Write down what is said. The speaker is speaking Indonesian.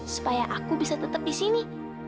supaya aku bisa tetap di sini